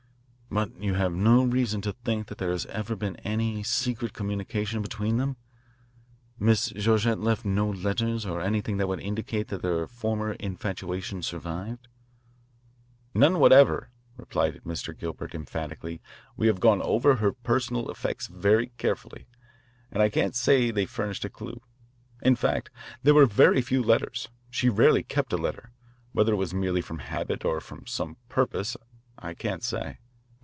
"But you have no reason to think that there has ever been any secret communication between them? Miss Georgette left no letters or anything that would indicate that her former infatuation survived?" "None whatever," repeated Mr. Gilbert emphatically. "We have gone over her personal effects very carefully, and I can't say they furnish a clue. In fact, there were very few letters. She rarely kept a letter. Whether it was merely from habit or for some purpose, I can't say."